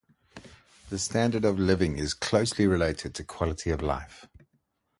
The standard of living is closely related to quality of life.